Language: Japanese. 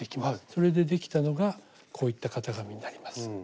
それでできたのがこういった型紙になります。